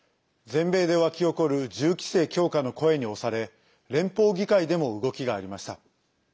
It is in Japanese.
全米で沸き起こる銃規制強化の声に押され連邦議会でも動きがありました。